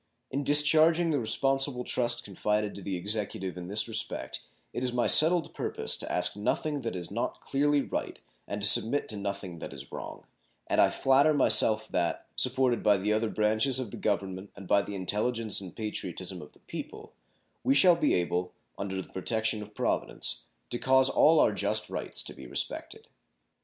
In discharging the responsible trust confided to the Executive in this respect it is my settled purpose to ask nothing that is not clearly right and to submit to nothing that is wrong; and I flatter myself that, supported by the other branches of the Government and by the intelligence and patriotism of the people, we shall be able, under the protection of Providence, to cause all our just rights to be respected.